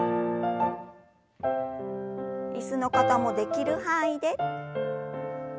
椅子の方もできる範囲で。